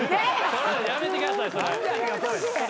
それやめてください。